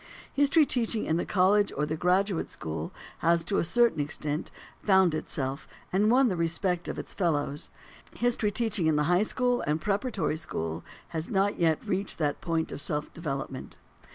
History teaching in the college or the graduate school has, to a certain extent, found itself, and won the respect of its fellows; history teaching in the high school and preparatory school has not yet reached that point of self development.